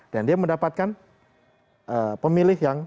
dan dia mendapatkan pemilih yang besar